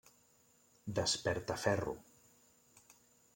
Desperta Ferro!